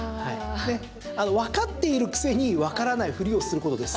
わかっているくせにわからないふりをすることです。